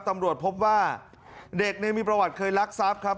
ตำรวจพบว่าเด็กมีประวัติเคยรักทรัพย์ครับ